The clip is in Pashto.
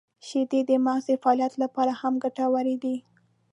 • شیدې د مغز د فعالیت لپاره هم ګټورې دي.